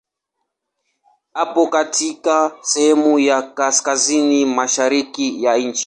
Upo katika sehemu ya kaskazini mashariki ya nchi.